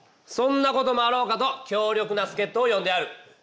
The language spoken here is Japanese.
そんなこともあろうかと強力な助っとを呼んである。